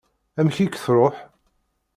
Amek i k-truḥ?